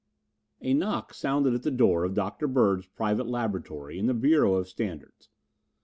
A knock sounded at the door of Dr. Bird's private laboratory in the Bureau of Standards.